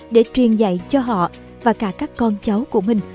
để truyền dạy cho họ và cả các con cháu của mình